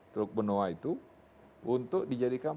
teluk benoa itu untuk dijadikan